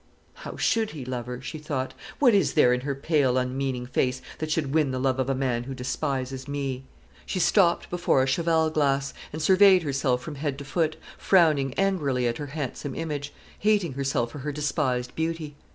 "How should he love her?" she thought. "What is there in her pale unmeaning face that should win the love of a man who despises me?" She stopped before a cheval glass, and surveyed herself from head to foot, frowning angrily at her handsome image, hating herself for her despised beauty.